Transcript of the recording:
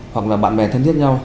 hoặc là bạn bè thân thiết nhau